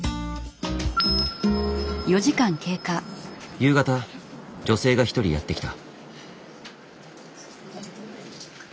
夕方女性が一人やって来た。